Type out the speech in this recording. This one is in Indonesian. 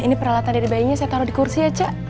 ini peralatan dari bayinya saya taruh di kursi ya cak